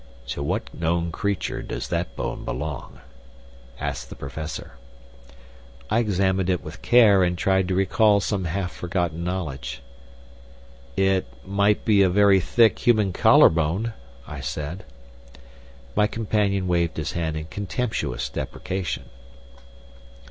"To what known creature does that bone belong?" asked the Professor. I examined it with care and tried to recall some half forgotten knowledge. "It might be a very thick human collar bone," I said. My companion waved his hand in contemptuous deprecation.